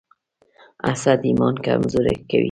حسد ایمان کمزوری کوي.